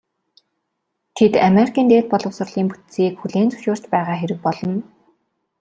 Тэд Америкийн дээд боловсролын бүтцийг хүлээн зөвшөөрч байгаа хэрэг болно.